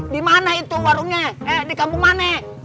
di mana itu warungnya di kampung mana